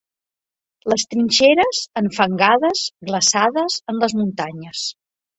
Les trinxeres enfangades, glaçades, en les muntanyes.